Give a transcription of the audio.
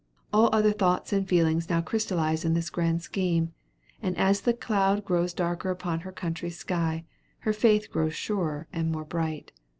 All other thoughts and feelings now crystallize in this grand scheme; and as the cloud grows darker upon her country's sky, her faith grows surer and more bright.